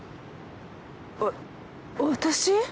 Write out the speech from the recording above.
わ私？